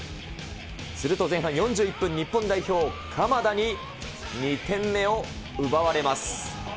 すると前半４１分、日本代表、鎌田に２点目を奪われます。